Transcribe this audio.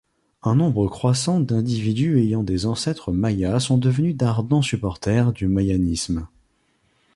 Un nombre croissant d’individus ayant des ancêtres mayas sont devenus d’ardents supporters du mayanisme.